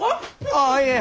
ああいえ。